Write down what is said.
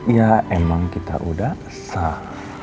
ya emang kita udah sah